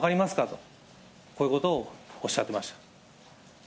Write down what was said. と、こういうことをおっしゃってました。